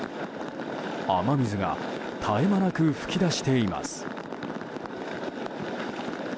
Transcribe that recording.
雨水が絶え間なく噴き出しています。